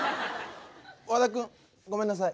和田君ごめんなさい。